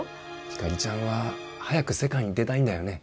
ひかりちゃんは早く世界に出たいんだよね？